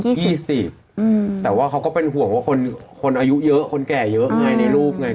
ที่มีแต่ว่าเค้าก็เป็นห่วงว่าคนอายุเยอะไก่เยอะในรูปไง